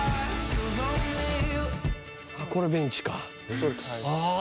あっこれベンチかあ